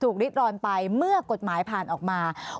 สวัสดีค่ะคุณผู้ชมค่ะสิ่งที่คาดว่าอาจจะเกิดขึ้นแล้วนะคะ